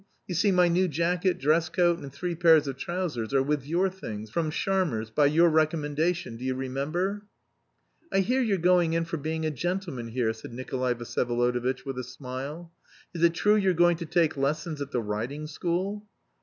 You see my new jacket, dress coat and three pairs of trousers are with your things, from Sharmer's, by your recommendation, do you remember?" "I hear you're going in for being a gentleman here," said Nikolay Vsyevolodovitch with a smile. "Is it true you're going to take lessons at the riding school?"